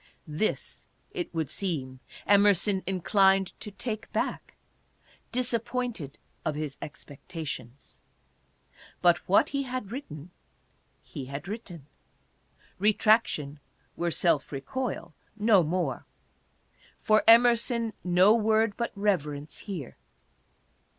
This, it would seem, Emerson inclined to take oack, disappointed of his expectations. But what he had written he had written. Retraction were self re coil, no more. For Emerson no word but reverence here.